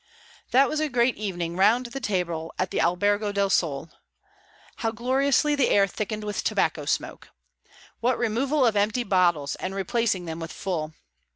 That was a great evening round the table at the Albergo del Sole. How gloriously the air thickened with tobacco smoke! What removal of empty bottles and replacing them with full!